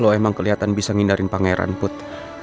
lo emang kelihatan bisa ngindarin pangeran put